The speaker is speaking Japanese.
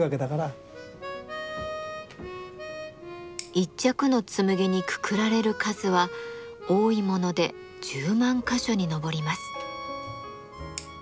一着の紬にくくられる数は多いもので１０万か所に上ります。